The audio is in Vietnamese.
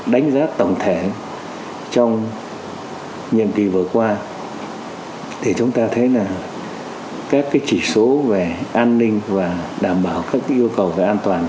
đánh giá tổng thể trong nhiệm kỳ vừa qua thì chúng ta thấy là các chỉ số về an ninh và đảm bảo các yêu cầu về an toàn